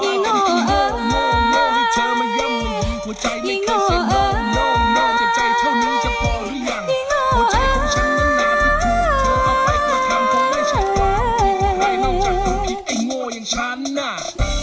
ยิ้งโนเอิ้ยยิ้งโนเอิ้ย